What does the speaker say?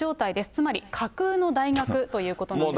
つまり架空の大学ということなんですね。